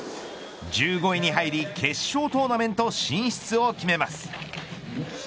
１５位に入り決勝トーナメント進出を決めます。